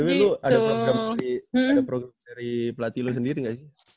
by the way lu ada program dari pelatih lu sendiri gak sih